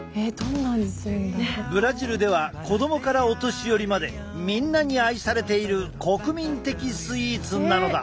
ブラジルでは子供からお年寄りまでみんなに愛されている国民的スイーツなのだ。